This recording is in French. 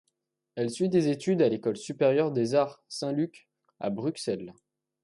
Elle suit des études à l'école supérieure des arts Saint-Luc à Bruxelles.